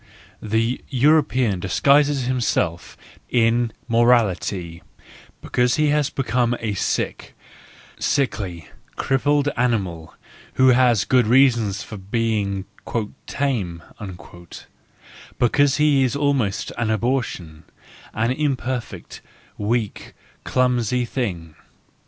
The European disguises himself in morality because he has become a sick, sickly, crippled animal, who has good reasons for being " tame," because he is almost an abortion, an imper¬ fect, weak and clumsy thing.